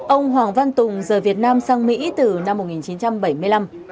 ông hoàng văn tùng rời việt nam sang mỹ từ năm một nghìn chín trăm bảy mươi năm